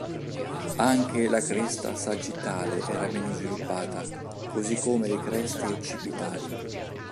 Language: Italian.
Anche la cresta sagittale era meno sviluppata, così come le creste occipitali.